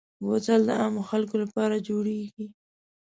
بوتل د عامو خلکو لپاره جوړېږي.